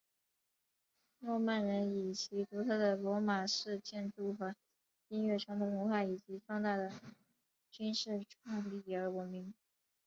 诺曼人以其独特的罗马式建筑和音乐传统文化以及重大的军事创新而闻名。